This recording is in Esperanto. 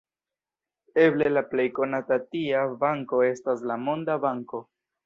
Eble la plej konata tia banko estas la Monda Banko.